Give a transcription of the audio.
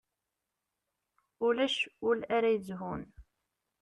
Ulac ul ara yezhun.